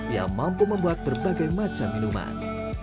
yang mampu membuat berbagai macam minuman